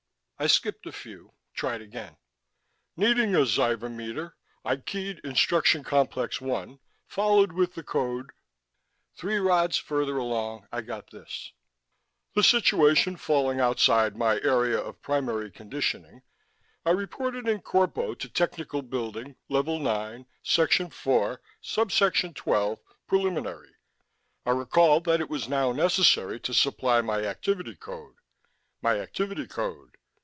I skipped a few, tried again: Needing a xivometer, I keyed instruction complex One, followed with the code Three rods further along, I got this: _The situation falling outside my area of primary conditioning, I reported in corpo to Technical Briefing, Level Nine, Section Four, Sub section Twelve, Preliminary. I recalled that it was now necessary to supply my activity code ... my activity code